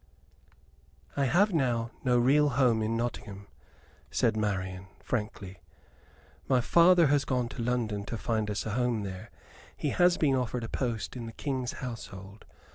"I have now no real home in Nottingham," said Marian, frankly. "My father has gone to London to find us a home there. He has been offered a post in the King's household.